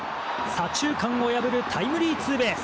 左中間を破るタイムリーツーベース。